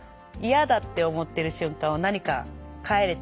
嫌だって思ってる瞬間を何か変えれたら。